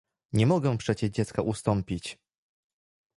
"Nie mogę przecie dziecka ustąpić!"